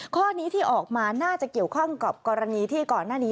ข้อนี้ที่ออกมาน่าจะเกี่ยวข้องกับกรณีที่ก่อนหน้านี้